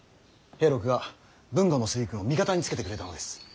平六が豊後の水軍を味方につけてくれたのです。